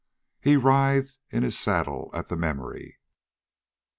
He writhed in his saddle at the memory.